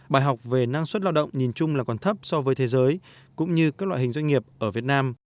bài học về năng suất lao động nhìn chung là còn thấp so với thế giới cũng như các loại hình doanh nghiệp ở việt nam